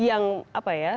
sebagai yang apa ya